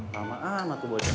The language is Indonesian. lama lama tuh buat dia